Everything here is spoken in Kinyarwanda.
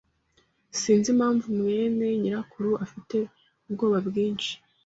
Sinzi impamvu mwene nyirakuru afite ubwoba bwinshi.